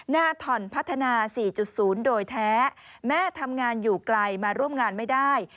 ถ่อนพัฒนา๔๐โดยแท้แม่ทำงานอยู่ไกลมาร่วมงานไม่ได้